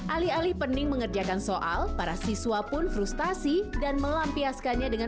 alih alih pening mengerjakan soal para siswa pun frustasi dan melampiaskannya dengan